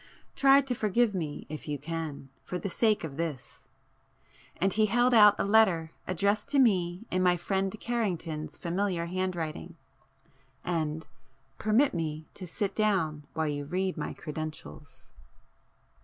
Try to forgive me if you can, for the sake of this,"—and he held out a letter addressed to me in my friend Carrington's familiar handwriting. "And permit me to sit down while you read my credentials."